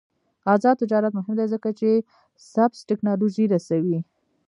آزاد تجارت مهم دی ځکه چې سبز تکنالوژي رسوي.